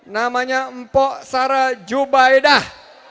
namanya mpok sara jubaydah